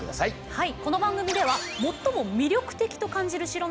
はい。